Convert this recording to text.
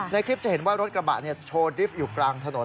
ในคลิปจะเห็นว่ารถกระบะโชว์ดริฟต์อยู่กลางถนน